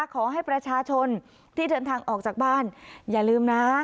ขอให้ประชาชนที่เดินทางออกจากบ้านอย่าลืมนะ